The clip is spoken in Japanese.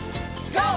ＧＯ！